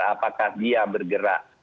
apakah dia bergerak